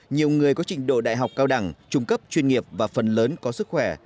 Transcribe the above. nhiều người có trình độ đại học cao đẳng trung cấp chuyên nghiệp và phần lớn có sức khỏe